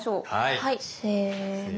はいせの。